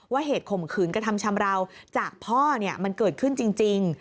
เหตุข่มขืนกระทำชำราวจากพ่อมันเกิดขึ้นจริง